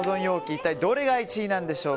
一体どれが１位なんでしょう。